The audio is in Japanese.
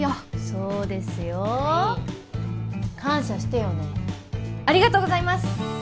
そうですよはい感謝してよねありがとうございます！